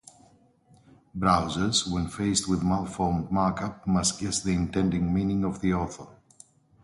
Browsers, when faced with malformed markup, must guess the intended meaning of the author.